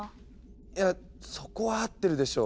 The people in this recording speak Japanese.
いやそこは合ってるでしょう。